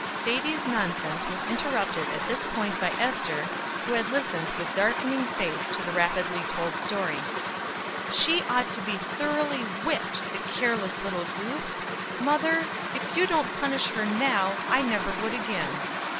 Sadie's nonsense was interrupted at this point by Ester, who had listened with darkening face to the rapidly told story: "She ought to be thoroughly whipped, the careless little goose! Mother, if you don't punish her now, I never would again."